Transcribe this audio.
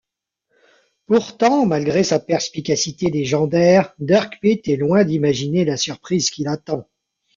Pourtant, malgré sa perspicacité légendaire, Dirk Pitt est loin d’imaginer la surprise qui l’attend.